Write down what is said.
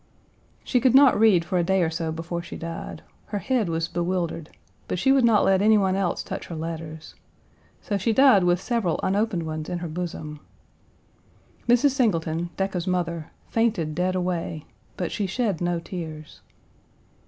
She could not read for a day or so before she died. Her head was bewildered, but she would not let any one else touch her letters; so she died with several unopened ones in her bosom. Mrs. Singleton, Decca's mother, fainted dead away, but she shed no tears.